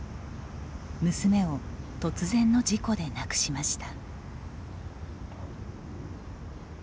娘を突然の事故で亡くしました。